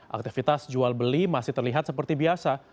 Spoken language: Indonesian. aktivitas jual beli masih terlihat seperti biasa